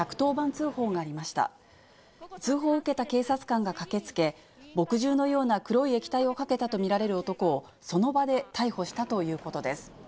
通報を受けた警察官が駆けつけ、墨汁のような黒い液体をかけたと見られる男をその場で逮捕したということです。